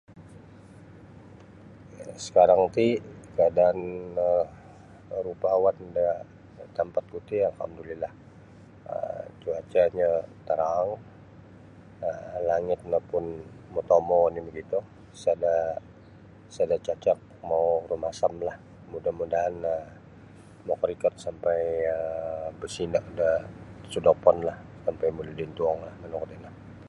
um Sakarang ti kaadaan um rupa awan da tampatku ti alhamdulillah um cuacanyo tarang um langit no pun motomou oni mokito sada sada cacat mau rumasamlah mudah mudaan um makarikot bosino da sodoponlah sampai muli da intuong manukah tino.